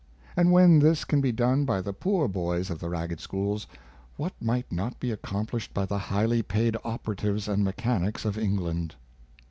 And when this can be done by the poor boys of the ragged schools, what might not be accomplished by the highly paid operatives and mechanics of England?